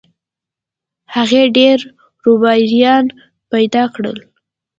هغې ډېر رویباران پیدا کړل